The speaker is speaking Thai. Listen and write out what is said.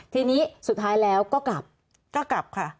ทีนี้สุดท้ายแล้วก็กลับก็กลับค่ะ